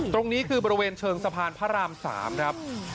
ตรงนี้คือบริเวณเชิงสะพานพระราม๓ครับ